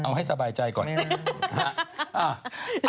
เอาให้สบายใจก่อนไม่ได้